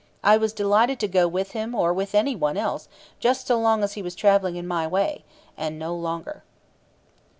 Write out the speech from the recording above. I was delighted to go with him or with any one else just so long as he was traveling in my way and no longer.